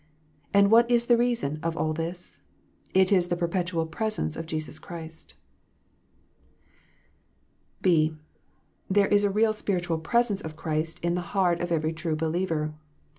And what is the reason of all this ? It is the perpetual " presence " of Jesus Christ. (b) There is a real spiritual "presence" of Christ in the heart of every true believer.